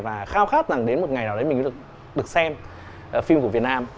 và khao khát rằng đến một ngày nào đấy mình mới được xem phim của việt nam